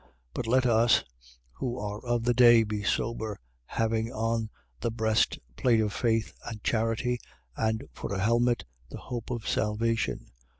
5:8. But let us, who are of the day, be sober, having on the breast plate of faith and charity and, for a helmet, the hope of salvation.